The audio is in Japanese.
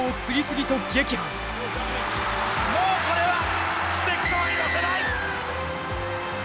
もうこれは奇跡とは言わせない！